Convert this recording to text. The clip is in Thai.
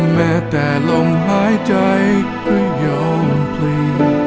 แม้แต่ลมหายใจก็โยนพลี